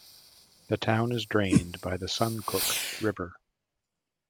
The town is drained by the Suncook River.